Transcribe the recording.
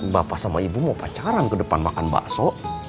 bapak sama ibu mau pacaran ke depan makan bakso